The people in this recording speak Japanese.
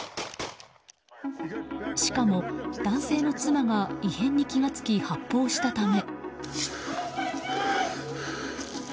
しかも、男性の妻が異変に気が付き発砲したため。